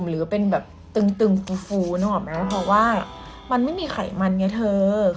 หรือเป็นแบบตึงตึงฟูฟูนะหรอกนะเพราะว่ามันไม่มีไขมันไงเถอะ